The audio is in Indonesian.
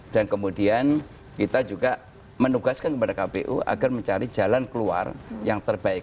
dan kemudian kita juga menugaskan kepada kpu agar mencari jalan keluar yang terbaik